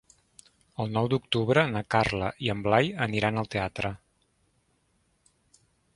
El nou d'octubre na Carla i en Blai aniran al teatre.